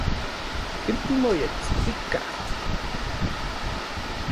¿Ken timoestika?